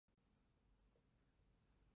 大小相当于一个正方形窗户。